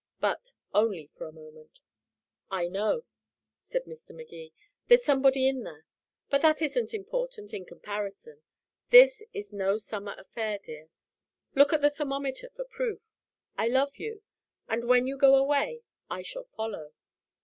But only for a moment. "I know," said Mr. Magee. "There's somebody in there. But that isn't important in comparison. This is no summer affair, dear. Look to the thermometer for proof. I love you. And when you go away, I shall follow."